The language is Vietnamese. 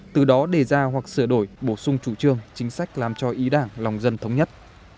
từ đó đề ra hoặc sửa đổi bổ sung chủ trương chính sách làm cho ý đảng lòng dân thống nhất